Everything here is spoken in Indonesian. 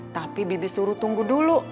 tapi bibi suruh tunggu dulu